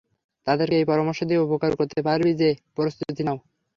তাদেরকে এই পরামর্শ দিয়ে উপকার করতে পারি যে, প্রস্তুতি নাও।